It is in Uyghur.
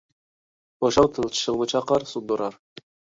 بوشاڭ تىل چىشىڭنى چاقار - سۇندۇرار.